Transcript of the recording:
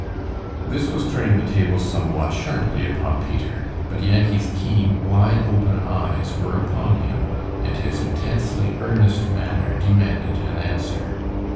This was turning the tables somewhat sharply upon Peter, but Yankee's keen, wide open eyes were upon him, and his intensely earnest manner demanded an answer.